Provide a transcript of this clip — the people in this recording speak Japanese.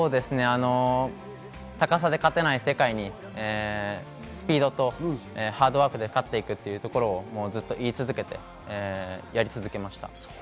高さで勝てない世界に、スピードとハードワークで勝っていくというところをずっと言い続けて、やり続けました。